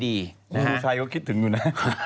ชุชัยก็คิดถึงอยู่นะ